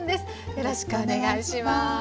よろしくお願いします。